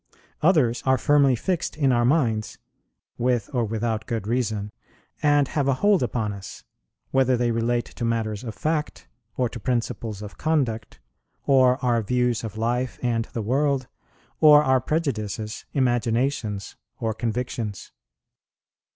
Others are firmly fixed in our minds, with or without good reason, and have a hold upon us, whether they relate to matters of fact, or to principles of conduct, or are views of life and the world, or are prejudices, imaginations, or convictions.